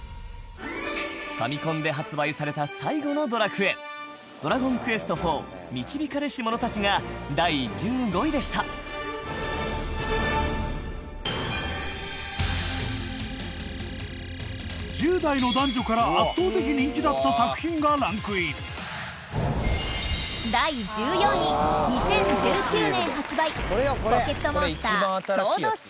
ファミコンで発売された最後の『ドラクエ』『ドラゴンクエストⅣ導かれし者たち』が第１５位でした１０代の男女から圧倒的人気だった作品がランクインウエンツ：